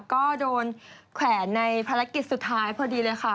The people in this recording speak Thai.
ก็โดนแขวนในภารกิจสุดท้ายพอดีเลยค่ะ